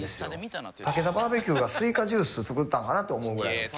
たけだバーベキューがスイカジュース作ったんかなと思うぐらい。